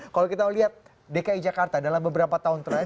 kalau kita lihat dki jakarta dalam beberapa tahun terakhir